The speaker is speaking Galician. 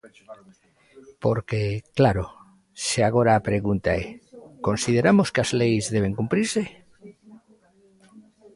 Porque, claro, se agora a pregunta é: ¿consideramos que as leis deben cumprirse?